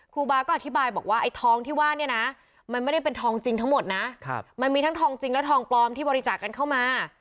ครูบาก็อธิบายบอกว่าไอ้ทองที่ว่าเนี่ยนะมันไม่ได้เป็นทองจริงทั้งหมดนะมันมีทั้งทองจริงและทองปลอมที่บริจาคกันเข้ามา